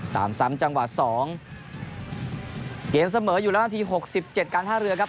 ตามซ้ำจังหวะสองเกมเสมออยู่แล้วนาทีหกสิบเจ็ดการท่าเรือครับ